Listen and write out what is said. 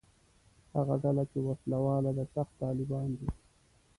هغه ډله چې وسله واله ده «سخت طالبان» دي.